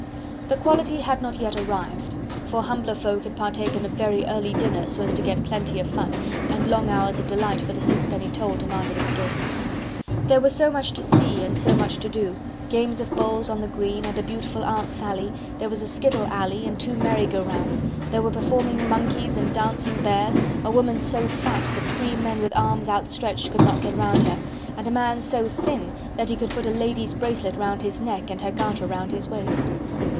The quality had not yet arrived: for humbler folk had partaken of very early dinner so as to get plenty of fun, and long hours of delight for the sixpenny toll demanded at the gates. There was so much to see and so much to do: games of bowls on the green, and a beautiful Aunt Sally, there was a skittle alley, and two merry go rounds: there were performing monkeys and dancing bears, a woman so fat that three men with arms outstretched could not get round her, and a man so thin that he could put a lady's bracelet round his neck and her garter around his waist.